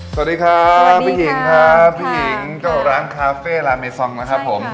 ใช่ครับ